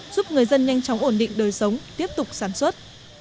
giúp người dân nhanh chóng ổn định đời sống tiếp tục sản xuất